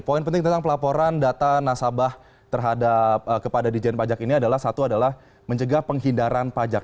poin penting tentang pelaporan data nasabah terhadap kepada dijen pajak ini adalah satu adalah mencegah penghindaran pajak